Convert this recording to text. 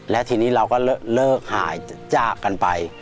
และทีนี้เราก็เลิกหายจากกันไป